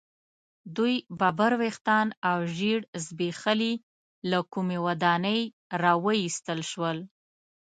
دوی ببر ویښتان او ژیړ زبیښلي له کومې ودانۍ را ویستل شول.